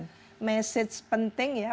betul message penting ya